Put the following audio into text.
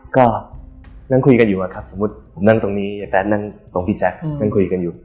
ก็นั่งคุยกันอยู่อะครับสมมุติผมนั่งตรงนี้ยายแต๊ดนั่งตรงพี่แจ๊คนั่งคุยกันอยู่